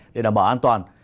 để đảm bảo an toàn